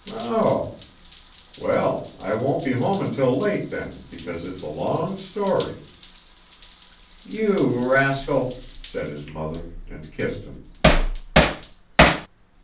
"Um m. Well, I won't be home until late, then, because it's a long story." "You rascal!" said his mother, and kissed him.